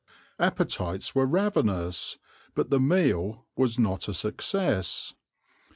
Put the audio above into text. Appetites were ravenous, but the meal was not a success.